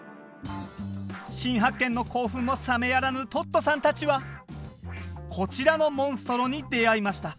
新発見の興奮もさめやらぬトットさんたちはこちらのモンストロに出会いました。